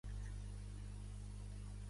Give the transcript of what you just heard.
Va sorgir del planter del Reial Saragossa.